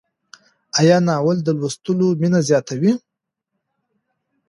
آیا ناول د لوستلو مینه زیاتوي؟